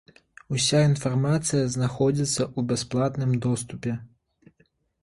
Уся інфармацыя знаходзіцца ў бясплатным доступе.